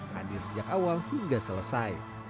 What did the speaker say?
hadir sejak awal hingga selesai